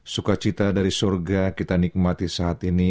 sukacita dari surga kita nikmati saat ini